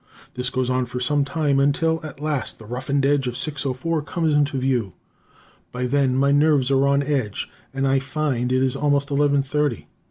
This goes on for some time until at last the roughened edge of 604 comes into view. By then my nerves are on edge and I find it is almost eleven thirty!